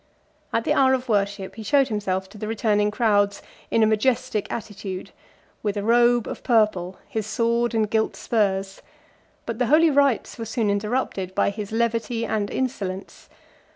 At the hour of worship, he showed himself to the returning crowds in a majestic attitude, with a robe of purple, his sword, and gilt spurs; but the holy rites were soon interrupted by his levity and insolence.